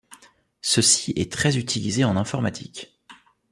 Ceci est très utilisé en informatique.